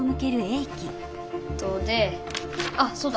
であっそうだ。